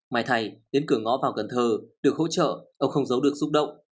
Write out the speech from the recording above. mai thầy đến cửa ngõ vào cần thơ được hỗ trợ ông không giấu được xúc động